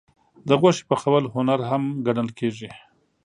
د غوښې پخول هنر هم ګڼل کېږي.